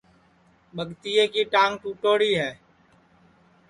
ٻگتیئے کی ٹانگ ٹُوٹوڑی ہے